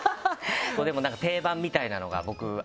でも定番みたいなのが僕あって。